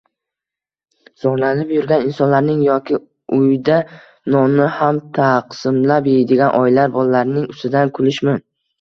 zorlanib yurgan insonlarning yoki uyda nonni ham taqsimlab yeydigan oilalar bolalarining ustidan kulishmi?